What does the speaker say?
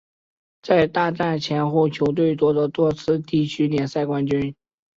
在大战前后球队夺得多次地区联赛冠军。